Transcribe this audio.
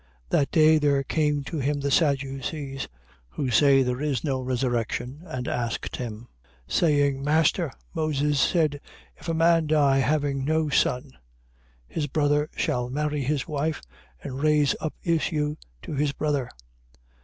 22:23. That day there came to him the Sadducees, who say there is no resurrection; and asked him, 22:24. Saying: Master, Moses said: If a man die having no son, his brother shall marry his wife and raise up issue to his brother.